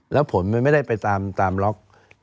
แล้วผลมันไม่ได้ไปตามล็อก